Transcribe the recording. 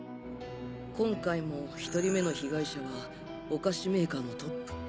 今回も１人目の被害者はお菓子メーカーのトップ。